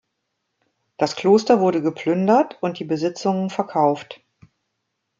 Das Kloster wurde geplündert und die Besitzungen verkauft.